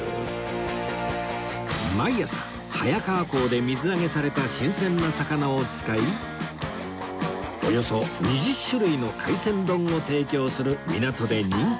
毎朝早川港で水揚げされた新鮮な魚を使いおよそ２０種類の海鮮丼を提供する港で人気のお店です